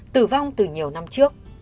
tử vong từ nhiều năm trước